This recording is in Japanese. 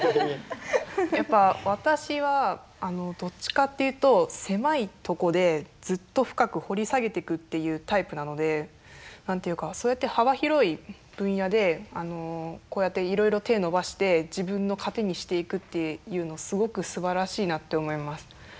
やっぱ私はどっちかっていうと狭いとこでずっと深く掘り下げていくっていうタイプなので何て言うかそうやって幅広い分野でこうやっていろいろ手伸ばして自分の糧にしていくっていうのすごくすばらしいなって思います。